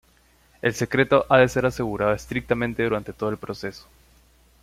El secreto ha de ser asegurado estrictamente durante todo el proceso.